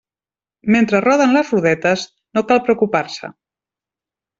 Mentre roden les rodetes, no cal preocupar-se.